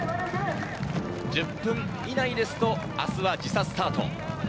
１０分以内ですと、明日は時差スタート。